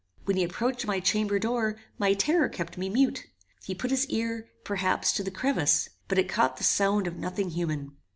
When he approached my chamber door, my terror kept me mute. He put his ear, perhaps, to the crevice, but it caught the sound of nothing human.